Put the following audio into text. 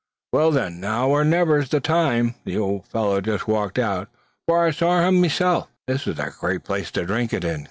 "Well, thin, now or niver's the time. The ould fellow's just walked out, for I saw him meself. This is a nate place to drink it in.